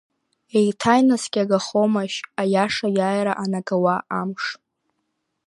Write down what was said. Еиҭа инаскьагахомашь аиаша аиааира анагауа амш?!